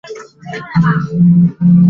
但叶明勋志不在此。